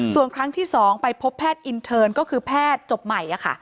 ส่วนครั้งที่๒ไปพบแพทย์อินเทิร์นก็คือแพทย์จบใหม่ค่ะ